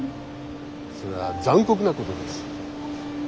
それは残酷なことです。